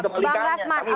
oke bang rasman